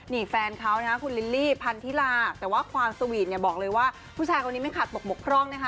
นี่แฟนเขานะคะคุณลิลลี่พันธิลาแต่ว่าความสวีทเนี่ยบอกเลยว่าผู้ชายคนนี้ไม่ขัดปกบกพร่องนะคะ